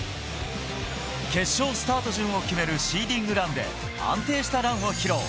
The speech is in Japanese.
決勝スタート順を決めるシーディングランで安定したランを披露。